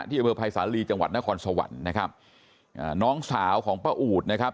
ที่บริษัทรีย์จังหวัดนครสวรรค์นะครับน้องสาวของพระอู๋ดนะครับ